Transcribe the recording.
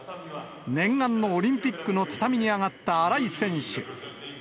念願のオリンピックの畳に上がった新井選手。